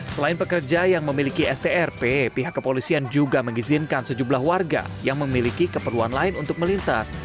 selain pekerja yang memiliki strp pihak kepolisian juga mengizinkan sejumlah warga yang memiliki keperluan lain untuk melintas